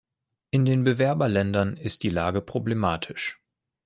In den Bewerberländern ist die Lage problematisch.